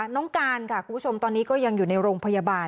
น้องการค่ะคุณผู้ชมตอนนี้ก็ยังอยู่ในโรงพยาบาล